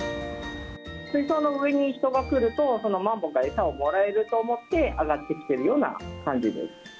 水槽の上に人が来ると、マンボウが餌をもらえると思って、上がってきているような感じです。